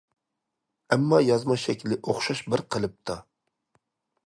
ئەمما يازما شەكلى ئوخشاش بىر قېلىپتا.